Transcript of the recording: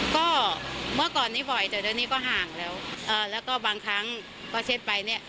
ก็เมื่อก่อนนี้บ่อยแต่เดี๋ยวนี้ก็ห่างแล้วแล้วก็บางครั้งก็เช็ดไปเนี่ย